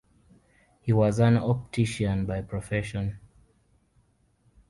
He was an optician by profession.